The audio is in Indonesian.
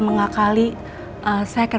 mengakali saya akan